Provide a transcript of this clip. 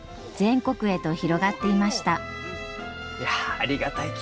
いやありがたいき。